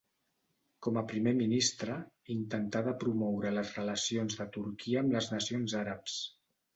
Com a primer ministre, intentà de promoure les relacions de Turquia amb les nacions àrabs.